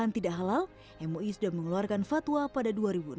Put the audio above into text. tidak halal mui sudah mengeluarkan fatwa pada dua ribu enam belas